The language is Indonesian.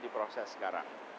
di proses sekarang